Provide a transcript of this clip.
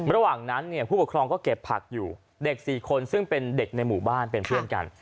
ระหว่างนั้นเนี่ยผู้ปกครองก็เก็บผักอยู่เด็ก๔คนซึ่งเป็นเด็กในหมู่บ้านเป็นเพื่อนกัน